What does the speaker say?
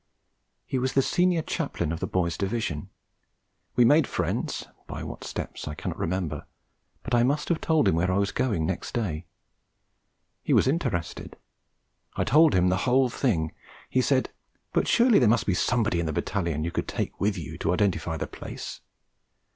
He was the Senior Chaplain of the boy's Division. We made friends, by what steps I cannot remember, but I must have told him where I was going next day. He was interested. I told him the whole thing. He said: 'But surely there must be somebody in the Battalion that you could take with you, to identify the place?'